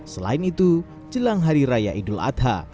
selain itu jelang hari raya idul adha